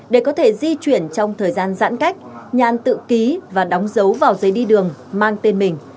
để có thể di chuyển trong thời gian giãn cách nhàn tự ký và đóng dấu vào giấy đi đường mang tên mình